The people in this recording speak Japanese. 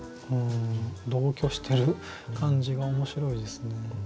同居してる感じが面白いですね。